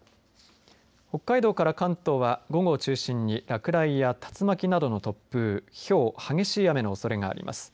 北海道から関東は午後を中心に落雷や竜巻などの突風ひょう激しい雨のおそれがあります。